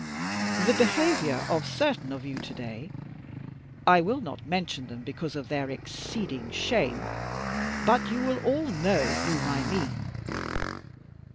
The behaviour of certain of you to day I will not mention them because of their exceeding shame, but you will all know whom I mean.